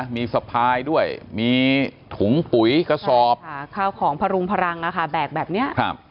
มีสะพายด้วยมีถุงปุ๋ยกระสอบข้าวของพรุงพลังแบกแบบนี้